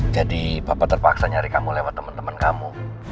jadi papa terpaksa nyari kamu lewat temen temen kamu